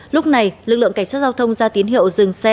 lúc này lực lượng cảnh sát giao thông ra tín hiệu dừng xe